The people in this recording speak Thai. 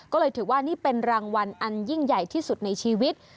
ก็เลยถือว่านี่เป็นรางวัลอันยิ่งใหญ่ที่สุดในชีวิต